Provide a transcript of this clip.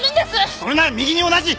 それなら右に同じ！